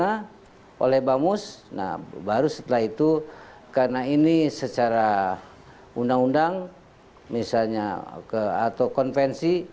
nah baru setelah itu karena ini secara undang undang misalnya atau konvensi